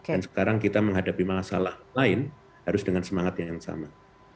dan sekarang kita menghadapi masalah lain harus dengan semangat yang sama